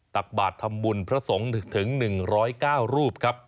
ตักบาททำบุญพระสงฆ์ถึง๑๐๙รูปครับ